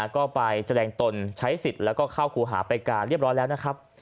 ก็ไปแสดงตนใช้สิทธิ์แล้วก็เข้าครูหาไปการเรียบร้อยแล้วนะครับ